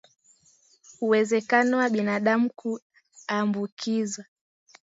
Uwezekano wa binadamu kuambukizwa